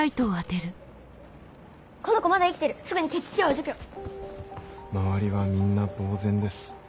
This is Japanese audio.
この子まだ生きてるすぐに血気胸を除周りはみんなぼう然です。